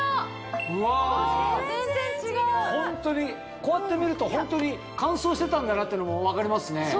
こうやって見るとホントに乾燥してたんだなってのも分かりますね。